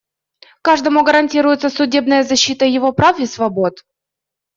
Каждому гарантируется судебная защита его прав и свобод.